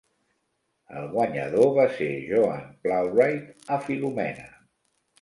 El guanyador va ser Joan Plowright a "Filumena".